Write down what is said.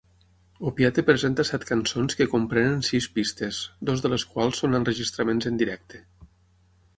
Opiate presenta set cançons que comprenen sis pistes, dues de les quals són enregistraments en directe.